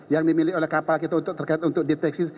yang dimiliki kapal kita untuk deteksi